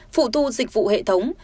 phụ thu dịch vụ hệ thống